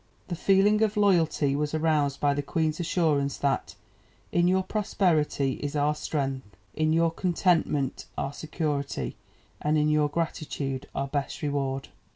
The feeling of loyalty was aroused by the Queen's assurance that "in your prosperity is our strength, in your contentment our security, and in your gratitude our best reward."